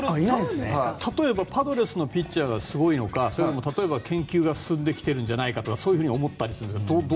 例えば、パドレスのピッチャーがすごいのかそれとも研究が進んできてるんじゃないかとかそういうふうに思ったりするんですが。